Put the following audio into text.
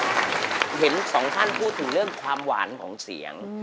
เห็นสองท่านพูดถึงเรื่องความหวานของเสียง